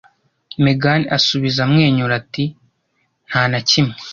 Megan asubiza amwenyura ati: "Nta na kimwe."